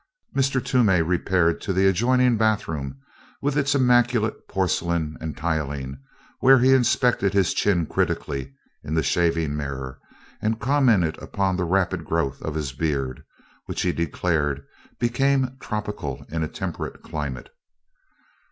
Mr. Toomey repaired to the adjoining bathroom with its immaculate porcelain and tiling, where he inspected his chin critically in the shaving mirror and commented upon the rapid growth of his beard, which he declared became tropical in a temperate climate.